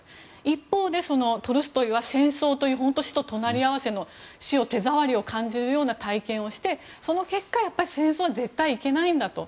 一方でトルストイは戦争という死と隣り合わせで死の手触りを感じるような体験をして、その結果戦争は絶対にいけないんだと。